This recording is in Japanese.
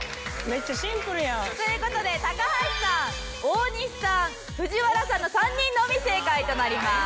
めっちゃシンプルやん。という事で高橋さん大西さん藤原さんの３人のみ正解となります。